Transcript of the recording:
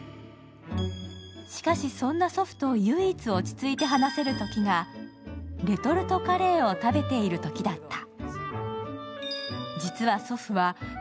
しかし、そんな祖父と唯一落ち着いて話せるときがレトルトカレーを食べているときだった。